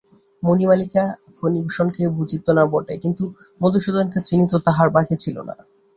মণিমালিকা ফণিভূষণকে বুঝিত না বটে, কিন্তু মধুসূদনকে চিনিতে তাহার বাকি ছিল না।